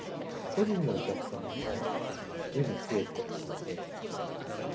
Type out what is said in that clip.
個人のお客様もずいぶん増えてらっしゃって。